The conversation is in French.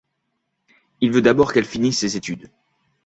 Il veut d'abord qu'elle finisse ses études.